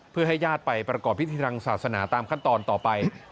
เพื่อให้ญาติไปประกอบพิธีทางศาสนาตามขั้นตอนต่อไป